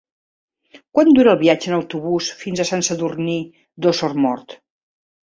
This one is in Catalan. Quant dura el viatge en autobús fins a Sant Sadurní d'Osormort?